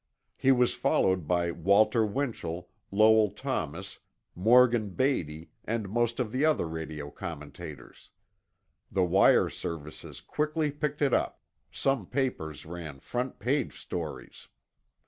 He was followed by Walter Winchell, Lowell Thomas, Morgan Beatty, and most of the other radio commentators. The wire services quickly picked it up; some papers ran front page stories.